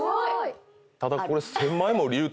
ただこれ。